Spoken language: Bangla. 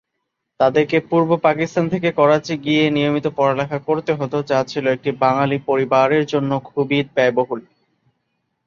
তাদেরকে পূর্ব পাকিস্তান থেকে করাচি গিয়ে নিয়মিত পড়ালেখা করতে হতো, যা ছিল একটি বাঙ্গালি পরিবারে জন্য খুবই ব্যয়বহুল।